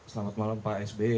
selamat malam pak sby